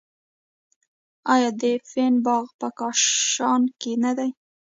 آیا د فین باغ په کاشان کې نه دی؟